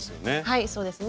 はいそうですね。